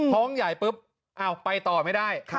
ท้องใหญ่ปุ๊บไปต่อไม่ได้